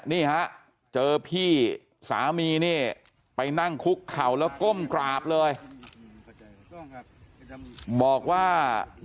นี่ฮะเจอพี่สามีนี่ไปนั่งคุกเข่าแล้วก้มกราบเลยบอกว่า